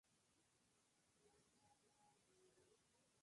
El Klan sigue quemando cruces en diferentes lugares de Clanton.